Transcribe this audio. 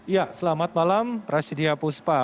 ya selamat malam prasidya puspa